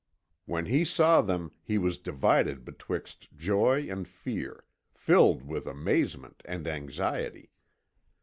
When he saw them he was divided betwixt joy and fear, filled with amazement and anxiety.